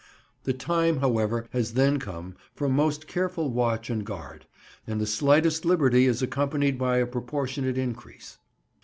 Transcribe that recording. The time, however, has then come for most careful watch and guard, and the slightest liberty is accompanied by a proportionate increase.